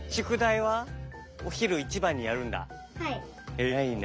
えらいな。